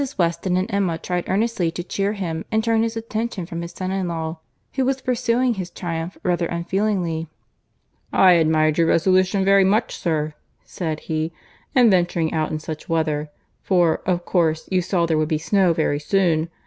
Weston and Emma tried earnestly to cheer him and turn his attention from his son in law, who was pursuing his triumph rather unfeelingly. "I admired your resolution very much, sir," said he, "in venturing out in such weather, for of course you saw there would be snow very soon.